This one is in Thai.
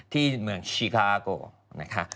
ที่เมืองชิคาวาโก้